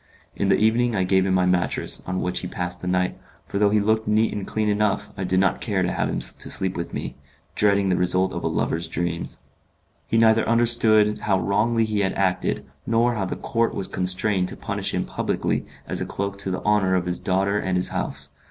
In the evening I gave him my mattress, on which he passed the night, for though he looked neat and clean enough I did not care to have him to sleep with me, dreading the results of a lover's dreams. He neither understood how wrongly he had acted, nor how the count was constrained to punish him publicly as a cloak to the honour of his daughter and his house.